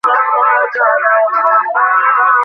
লিভারটাকে টেনে পেছনে নিয়ে যাবে তুমি।